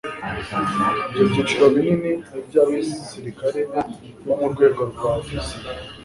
Ibyo byiciro binini ni iby'abasirikare bo mu rwego rwa ofisiye